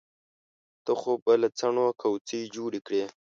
ته خو به له څڼو کوڅۍ جوړې کړې.